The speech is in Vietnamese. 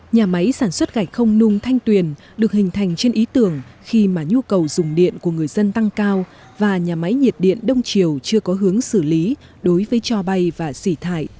nhà máy sản xuất gạch không nung thanh tuyền được hình thành trên ý tưởng khi mà nhu cầu dùng điện của người dân tăng cao và nhà máy nhiệt điện đông triều chưa có hướng xử lý đối với cho bay và xỉ thải